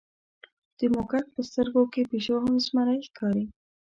د موږک په سترګو کې پیشو هم زمری ښکاري.